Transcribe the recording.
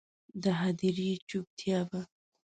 د هدیرې چوپتیا به،